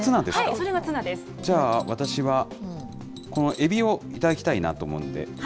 じゃあ私は、このエビを頂きたいなと思うんで。